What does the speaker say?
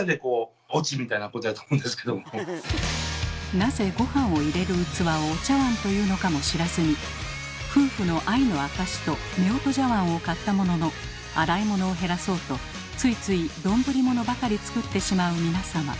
なぜごはんを入れる器を「お茶わん」というのかも知らずに夫婦の愛の証しとめおと茶わんを買ったものの洗い物を減らそうとついつい丼物ばかり作ってしまう皆様。